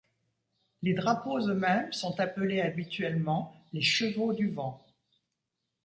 Les drapeaux eux-mêmes sont appelés habituellement les chevaux du vent.